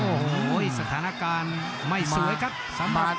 โอ้โหสถานการณ์ไม่สวยครับ